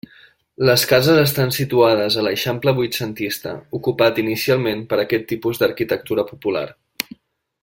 Les cases estan situades a l'eixample vuitcentista, ocupat inicialment per aquest tipus d'arquitectura popular.